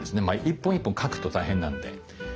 一本一本描くと大変なんで。